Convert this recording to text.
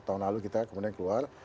tahun lalu kita kemudian keluar